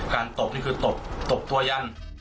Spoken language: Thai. การตบนี่คือตบตัวยั่น